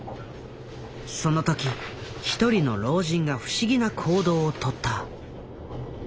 その時一人の老人が不思議な行動をとった。